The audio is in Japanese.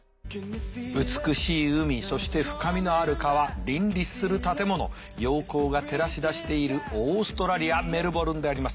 美しい海そして深みのある川林立する建物陽光が照らし出しているオーストラリアメルボルンであります。